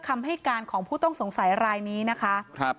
คำให้การของผู้ต้องสงสัยรายนี้นะคะ